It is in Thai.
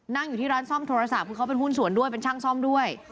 นั่งอยู่ที่ร้านซ่อมโทรศัพท์คือเขาเป็นหุ้นส่วนด้วยเป็นช่างซ่อมด้วย